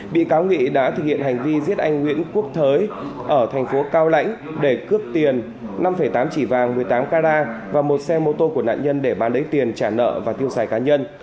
bị cáo nghị đã thực hiện hành vi giết anh nguyễn quốc thới ở thành phố cao lãnh để cướp tiền năm tám chỉ vàng một mươi tám carat và một xe mô tô của nạn nhân để bán lấy tiền trả nợ và tiêu xài cá nhân